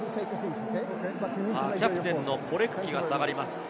キャプテンのポレクキが下がります。